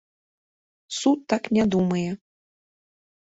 Суд так не думае.